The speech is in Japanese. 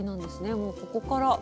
もうここから。